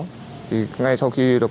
nhà tạm giữ quân huyện